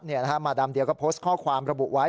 มาดามเดียก็โพสต์ข้อความระบุไว้